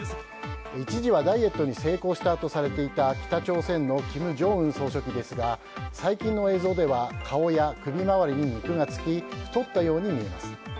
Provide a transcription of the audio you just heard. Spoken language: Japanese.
一時はダイエットに成功したとされていた北朝鮮の金正恩総書記ですが最近の映像では顔や首回りに肉がつき太ったように見えます。